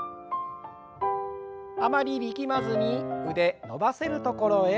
あまり力まずに腕伸ばせるところへ。